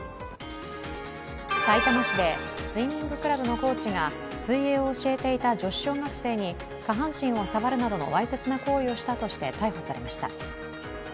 さいたま市でスイミングクラブのコーチが水泳を教えていた女子小学生に下半身を触るなどのわいせつな行為をしたとして逮捕されました。